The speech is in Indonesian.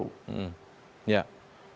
baik pada masa kini maupun pada masa lalu